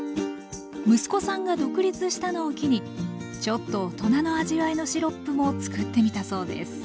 息子さんが独立したのを機にちょっと大人の味わいのシロップもつくってみたそうです